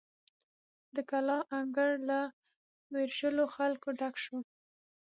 د کلا انګړ له ویرژلو خلکو ډک شو.